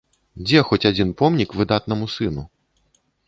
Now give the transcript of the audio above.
Дзе хоць адзін помнік выдатнаму сыну?